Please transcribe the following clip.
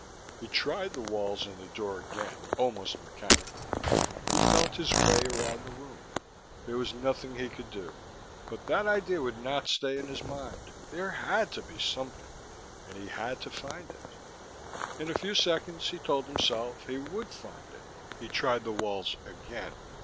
He tried the walls and the door again, almost mechanically. He felt his way around the room. There was nothing he could do. But that idea would not stay in his mind: there had to be something, and he had to find it. In a few seconds, he told himself, he would find it. He tried the walls again.